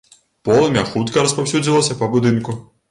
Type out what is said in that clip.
Полымя хутка распаўсюдзілася па будынку.